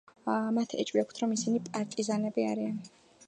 მათ ეჭვი აქვთ, რომ ისინი პარტიზანები არიან.